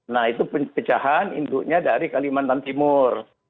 nah itu pecahan induknya dari kalimantan timur